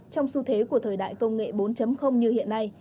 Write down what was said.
trong xu thế của thời đại công nghệ bốn như hiện nay